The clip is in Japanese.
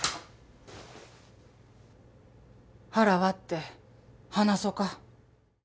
腹割って話そか。